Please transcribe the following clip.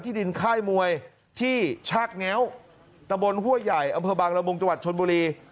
ที่ดินค่ายมวยที่ชาข์แนวตะบลห้วยใหญ่อำเภอบางระมุงจวัดชลบุรี